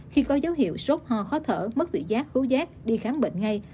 khi có dấu hiệu sốt ho khó thở mất vị giác cứu giác đi khám bệnh ngay